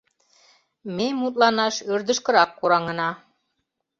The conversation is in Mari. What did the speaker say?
— Ме мутланаш ӧрдыжкырак кораҥына.